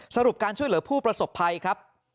สรุปการช่วยเหลือผู้ประสบภัยครับ